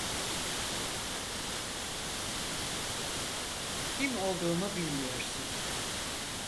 Kim olduğumu bilmiyorsun.